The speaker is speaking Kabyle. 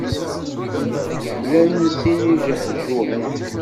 Mlalen sin igehguhen.